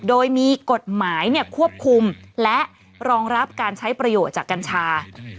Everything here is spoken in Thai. โดยมีกฎหมายควบคุมและรองรับการใช้ประโยชน์จากกัญชา